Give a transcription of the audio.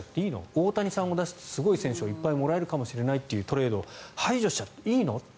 大谷さんを出してすごい選手をいっぱいもらえるかもしれないトレードを排除しちゃっていいの？と。